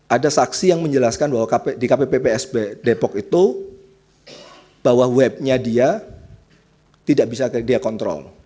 ada saksi yang menjelaskan bahwa di kppsb depok itu bahwa webnya dia tidak bisa dia kontrol